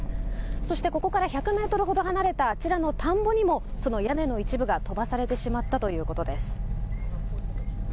そしてここから１００メートルほど離れたあちらの田んぼにもその屋根の一部が飛ばされてしまったということです。